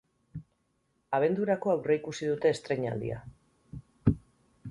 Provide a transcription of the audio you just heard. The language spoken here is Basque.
Abendurako aurreikusi dute estreinaldia.